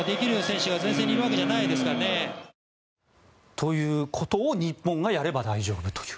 ということを日本がやれば大丈夫という。